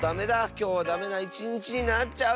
きょうはダメないちにちになっちゃうよ。